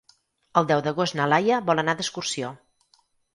El deu d'agost na Laia vol anar d'excursió.